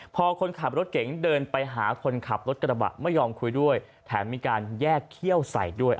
พอคนขับรถเก๋งเดินไปหาคนขับรถกระบะไม่ยอมคุยด้วยแถมมีการแยกเขี้ยวใส่ด้วย